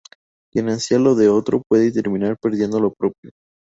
Quien ansia lo de otro, puede terminar perdiendo lo propio.